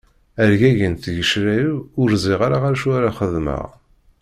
Rgagint tgecrar-iw ur ẓriɣ ara acu ara xedmeɣ.